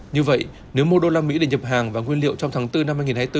như vậy nếu mua đô la mỹ để nhập hàng và nguyên liệu trong tháng bốn năm hai nghìn hai mươi bốn